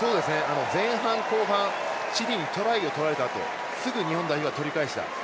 前半、後半チリにトライを取られたあとすぐ日本代表は取り返した。